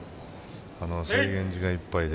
制限時間いっぱいで。